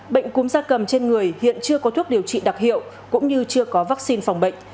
bệnh cúm da cầm trên người hiện chưa có thuốc điều trị đặc hiệu cũng như chưa có vaccine phòng bệnh